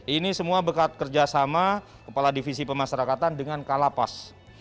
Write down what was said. ini semua berkat kerjasama kepala divisi pemasarakatan dengan kalapas